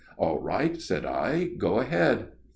"All right," said I, "go ahead."